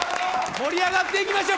盛り上がっていきましょう。